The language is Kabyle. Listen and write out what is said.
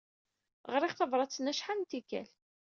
Ɣriɣ tabṛat-nni acḥal n tikkal.